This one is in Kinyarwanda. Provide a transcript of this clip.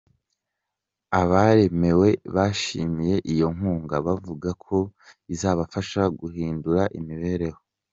Abaremewe bashimiye iyo nkunga, bavuga ko izabafasha gushindura imibereho.